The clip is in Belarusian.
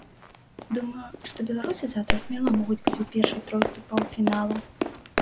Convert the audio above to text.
Думаю, што беларусы заўтра смела могуць быць у першай тройцы паўфіналу.